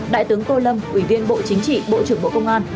đại tướng tô lâm ủy viên bộ chính trị bộ trưởng bộ công an